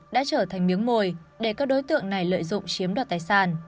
đã trở thành miếng mồi để các đối tượng này lợi dụng chiếm đoạt tài sản